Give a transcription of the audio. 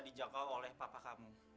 dijaga oleh bapak kamu